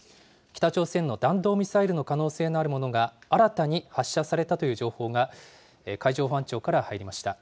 北朝鮮の弾道ミサイルの可能性のあるものが新たに発射されたという情報が、海上保安庁から入りました。